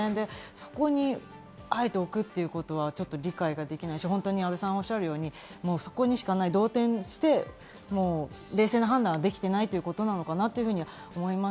そこにあえて置くというのはちょっと理解できないし、阿部さんがおっしゃるように、動転して冷静な判断ができてないっていうことなのかなって思います。